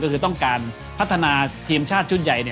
ก็คือต้องการพัฒนาทีมชาติชุดใหญ่